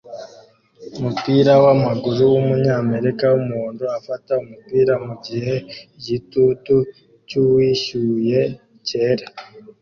Umupira wamaguru wumunyamerika wumuhondo afata umupira mugihe igitutu cyuwishyuye cyera